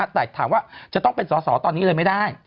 แต่ถามว่าจะต้องเป็นสอสอตอนนี้เลยไม่ได้